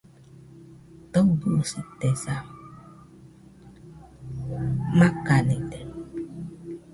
Taɨbɨsitesa , makanide